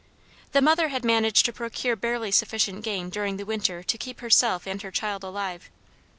] The mother had managed to procure barely sufficient game during the winter to keep herself and her child alive.